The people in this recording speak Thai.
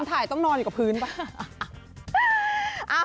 ถ่ายต้องนอนอยู่กับพื้นป่ะ